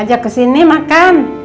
ajak kesini makan